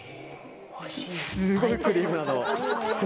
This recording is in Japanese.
すごいクリームなの。